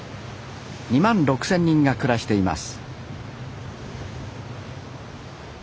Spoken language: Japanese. ２万６，０００人が暮らしています